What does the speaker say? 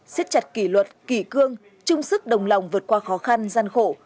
xếp chặt kỷ luật kỷ cương trung sức đồng lòng vượt qua khó khăn gian khổ